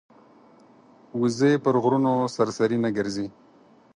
وزې پر غرونو سرسري نه ګرځي